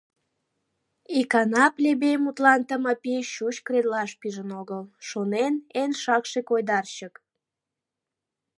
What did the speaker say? Икана плебей мутлан Тымапи чуч кредалаш пижын огыл: шонен — эн шакше койдарчык.